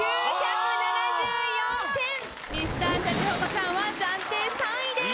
Ｍｒ．シャチホコさんは暫定３位です。